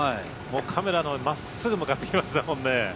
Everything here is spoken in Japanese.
カメラまっすぐ向かってきましたもんね。